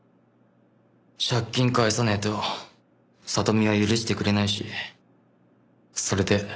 借金返さねえと里実は許してくれないしそれで。